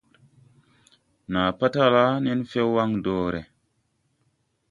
Nàa patala nen fɛw waŋ dɔre.